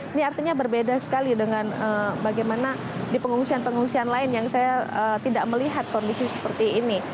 ini artinya berbeda sekali dengan bagaimana di pengungsian pengungsian lain yang saya tidak melihat kondisi seperti ini